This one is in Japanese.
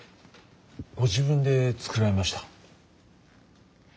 ご自分で作られました。